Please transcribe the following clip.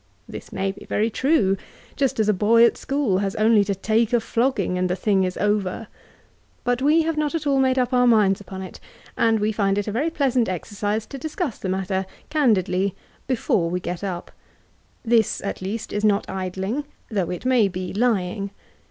This may be very true ; just as a boy at school has only to take a flogging, and the thing is over. But we have not at all made up our minds upon it ; and we find it a very pleasant exercise to discuss the matter, candidly, before we get up. This at least is not idling, though it may be lying.